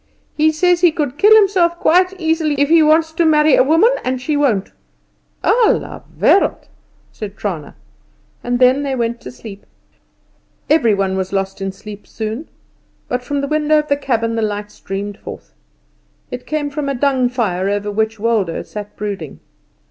He says he could kill himself quite easily if he wants to marry a woman and she won't." "Alle wereld!" said Trana: and then they went to sleep. Every one was lost in sleep soon; but from the window of the cabin the light streamed forth. It came from a dung fire, over which Waldo sat brooding.